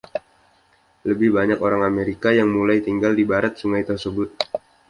Lebih banyak orang Amerika yang mulai tinggal di barat sungai tersebut.